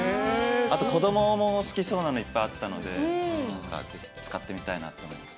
あと、子どもも好きそうなのいっぱいあったので、ぜひ使ってみたいなと。